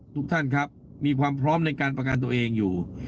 ทุกท่านครับมีความพร้อมในการประกันตัวเองอยู่